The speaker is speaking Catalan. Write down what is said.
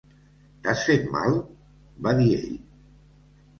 "T'has fet mal?" va dir ell.